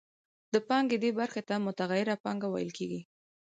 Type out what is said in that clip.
د پانګې دې برخې ته متغیره پانګه ویل کېږي